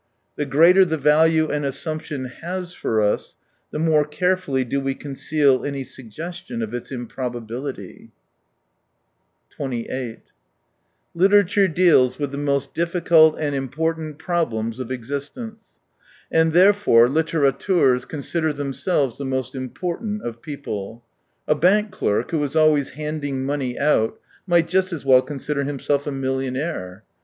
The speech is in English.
The greater the value an assumption has for us, the more carefully do we conceal any suggestion of its improbability, 28 Literature deals with the most difficult and important problems of existence, and, 48 therefore, litterateurs consider themselves the most important of people. A bank clerk, who is always handing money out, might just as well consider himself a millionaire.